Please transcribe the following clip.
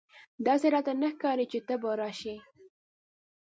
داسي راته نه ښکاري چې ته به راسې !